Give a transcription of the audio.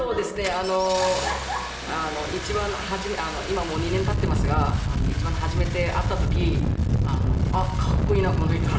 あの一番初め今もう２年たってますが一番初めて会った時あっ格好いいなこの人。